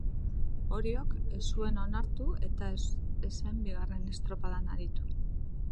Oriok ez zuen onartu eta ez zen bigarren estropadan aritu.